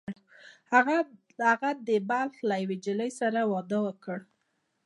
هغه د بلخ له یوې نجلۍ سره واده وکړ